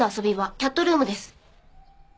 キャットルームです。